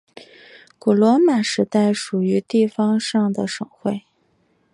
古罗马时代属于地方上的省会。